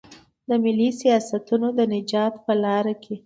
د ملي سیاستونو د نجات په لار کې.